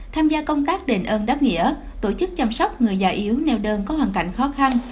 tham gia công tác đền ơn đáp nghĩa tổ chức chăm sóc người già yếu neo đơn có hoàn cảnh khó khăn